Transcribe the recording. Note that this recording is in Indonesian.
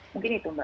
mungkin itu mbak